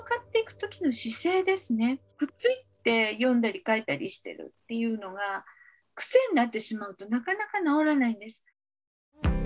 くっついて読んだり書いたりしてるっていうのが癖になってしまうとなかなか治らないんです。